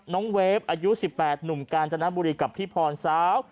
น้องเวฟอายุ๑๘หนุ่มกาลชนะบุรีกับพี่พรซาว